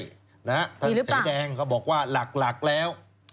มีหรือเปล่าท่านเสียแดงเขาบอกว่าหลักแล้ว